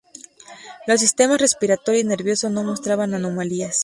Los sistemas respiratorio y nervioso no mostraban anomalías.